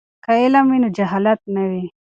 که علم وي نو جهالت نه وي.